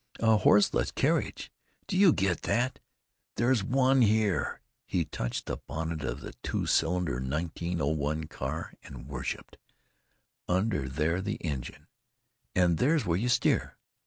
"A horseless carriage! Do you get that? There's one here!" He touched the bonnet of the two cylinder 1901 car, and worshiped. "Under there—the engine! And there's where you steer....